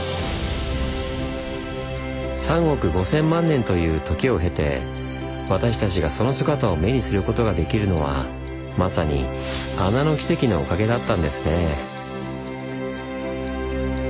３億５，０００万年という時を経て私たちがその姿を目にすることができるのはまさに「穴の奇跡」のおかげだったんですねぇ。